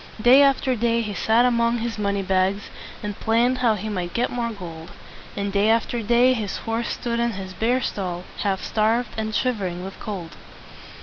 Day after day he sat among his money bags, and planned how he might get more gold; and day after day his horse stood in his bare stall, half starved, and shiv er ing with cold.